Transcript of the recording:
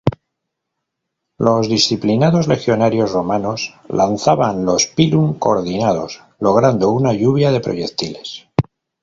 Los disciplinados legionarios romanos lanzaban los pilum coordinados, logrando una lluvia de proyectiles.